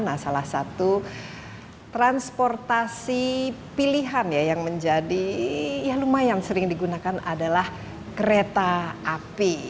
nah salah satu transportasi pilihan ya yang menjadi ya lumayan sering digunakan adalah kereta api